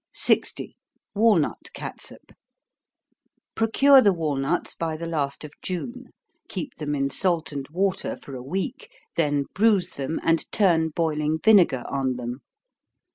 60. Walnut Catsup. Procure the walnuts by the last of June keep them in salt and water for a week, then bruise them, and turn boiling vinegar on them.